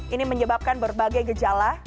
ini menyebabkan berbagai gejala